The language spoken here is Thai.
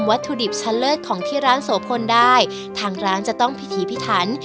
วัตถุดิบเฉลิมคือร้านโสโพนได้ทางร้านจะต้องพิถีพิถัญ